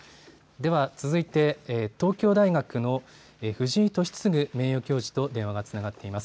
では続いて東京大学の藤井敏嗣名誉教授と電話がつながっています。